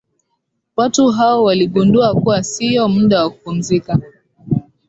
watu hao waligundua kuwa siyo muda wa kupumzika